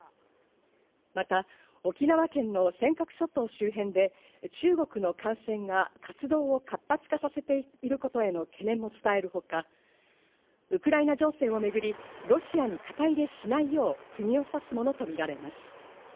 また沖縄県の尖閣諸島周辺で中国の艦船が活動を活発化させていることへの懸念も伝えるほか、ウクライナ情勢をめぐりロシアに肩入れしないよう、クギを刺すものとみられます。